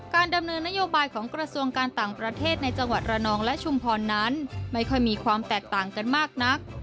ดำเนินนโยบายของกระทรวงการต่างประเทศในจังหวัดระนองและชุมพรนั้นไม่ค่อยมีความแตกต่างกันมากนัก